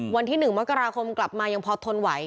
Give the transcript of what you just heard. วันที่๑มกราคมกลับมายังพอทนไหว